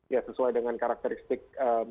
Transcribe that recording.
ya sesuai dengan karakteristik